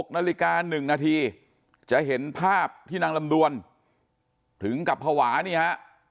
๖นาฬิกา๑นาทีจะเห็นภาพที่นางลำดวนถึงกับภาวะนี่ฮะ